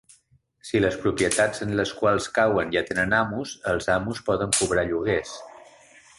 Si les propietats en les quals cauen ja tenen amos, els amos poden cobrar lloguers.